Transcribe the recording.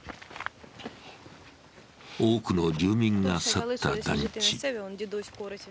多くの住民が去った団地。